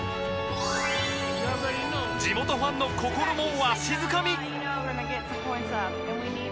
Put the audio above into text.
地元ファンの心もわしづかみ！